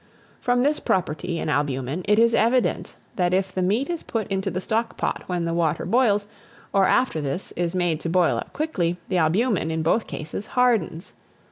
From this property in albumen, it is evident that if the meat is put into the stock pot when the water boils, or after this is made to boil up quickly, the albumen, in both cases, hardens.